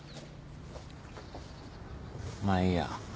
まあいいや。